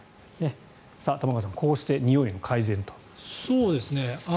玉川さんもこうしてにおいが改善と。